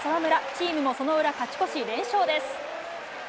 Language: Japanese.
チームもその裏、勝ち越し、連勝です。